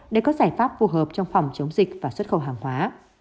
để có giải pháp phù hợp trong phòng chống dịch và xuất khẩu hàng hóa